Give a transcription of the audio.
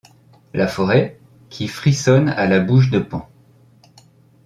La forêt, qui frissonne à la bouche de. Pan